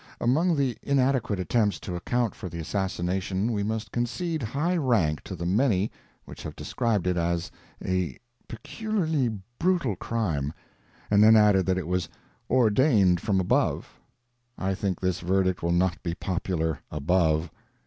Among the inadequate attempts to account for the assassination we must concede high rank to the many which have described it as a "peculiarly brutal crime" and then added that it was "ordained from above." I think this verdict will not be popular "above."